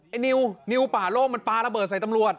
ไอ้นิวนิวป่าโล่งมันปลาระเบิดใส่ตำรวจ